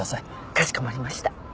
かしこまりました。